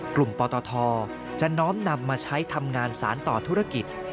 ปตทจะน้อมนำมาใช้ทำงานสารต่อธุรกิจ